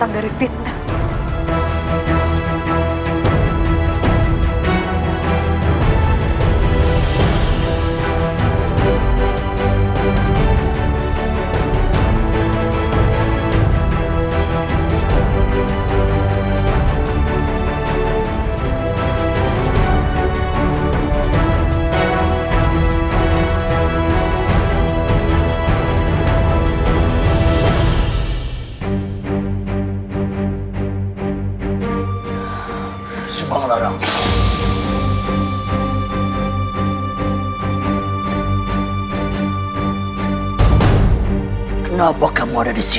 beritahukan kepada rai